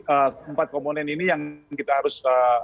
empat komponen ini yang kita harus